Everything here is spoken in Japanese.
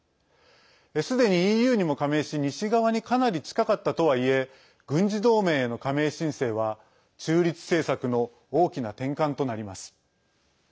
すでにＥＵにも加盟し西側にかなり近かったとはいえ軍事同盟への加盟申請は中立政策の大きな転換となります。